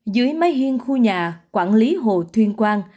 dưới mái huyên khu nhà quản lý hồ chứa